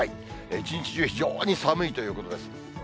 一日中非常に寒いということです。